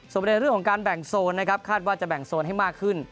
ส่วนประเด็นของการแบ่งโซนคาดว่าจะแบ่งโซนให้มากขึ้น